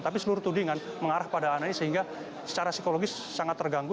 tapi seluruh tudingan mengarah pada anak ini sehingga secara psikologis sangat terganggu